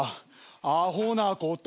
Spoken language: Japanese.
アホなことを。